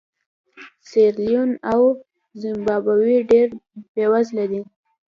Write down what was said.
سیریلیون او زیمبابوې ډېر بېوزله دي.